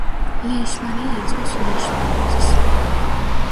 ლეიშმანია იწვევს ლეიშმანიოზის.